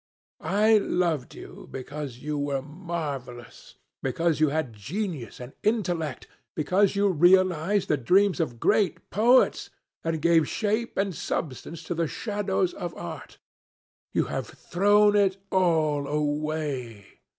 I loved you because you were marvellous, because you had genius and intellect, because you realized the dreams of great poets and gave shape and substance to the shadows of art. You have thrown it all away.